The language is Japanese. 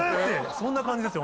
そんな感じですよ